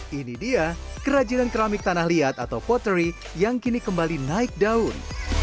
hai ini dia kerajinan keramik tanah liat atau pottery yang kini kembali naik daun